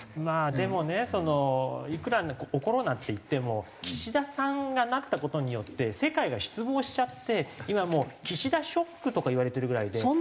まあでもねそのいくらコロナっていっても岸田さんがなった事によって世界が失望しちゃって今もう岸田ショックとかいわれてるぐらいで。